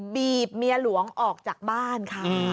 บีบเมียหลวงออกจากบ้านค่ะ